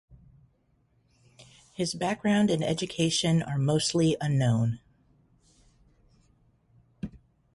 His background and education are mostly unknown.